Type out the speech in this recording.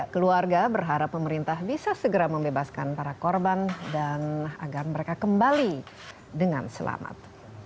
keluarga berharap pemerintah bisa segera membebaskan para korban dan agar mereka kembali dengan selamat